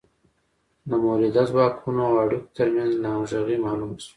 د مؤلده ځواکونو او اړیکو ترمنځ ناهمغږي معلومه شوه.